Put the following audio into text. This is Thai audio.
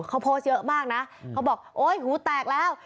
เขาโพสต์เยอะมากนะเขาบอกโอ๊ยหูแตกแล้ว